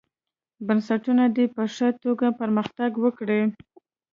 بنسټونه دې په ښه توګه پرمختګ وکړي.